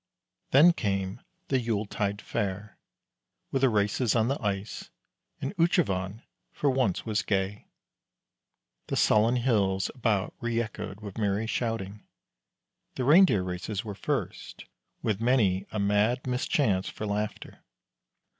Then came the Yule tide Fair, with the races on the ice, and Utrovand for once was gay. The sullen hills about reechoed with merry shouting. The Reindeer races were first, with many a mad mischance for laughter.